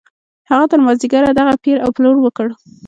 هغه تر مازديګره دغه پېر او پلور وکړ.